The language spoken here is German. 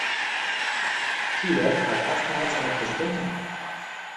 Chile hat erstmals eine Präsidentin.